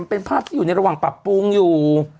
เป็นภาพที่อยู่ในระหว่างปรับปรุงอยู่